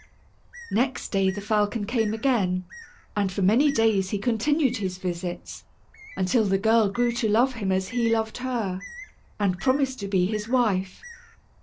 Next day the falcon came again, and for many days he continued his visits, until the girl grew to love him as he loved her, and promised to be his wife.